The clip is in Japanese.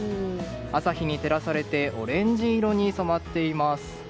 朝日に照らされてオレンジ色に染まっています。